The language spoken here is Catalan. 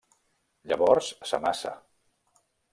Llavors s'amassa.